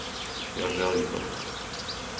Ја желим то.